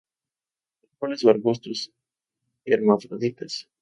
Árboles o arbustos; hermafroditas.